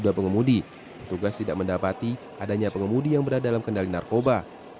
dari tujuh puluh dua pengemudi petugas tidak mendapati adanya pengemudi yang berada dalam kendali narkoba